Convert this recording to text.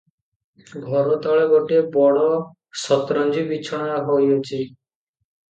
ଘରତଳେ ଗୋଟିଏ ବଡ଼ ଶତରଞ୍ଜି ବିଛଣା ହୋଇଅଛି ।